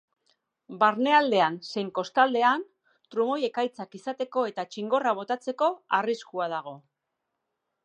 Barnealdean zein kostaldean trumoi-ekaitzak izateko eta txingorra botatzeko arriskua dago.